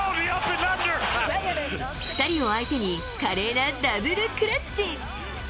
２人を相手に華麗なダブルクラッチ。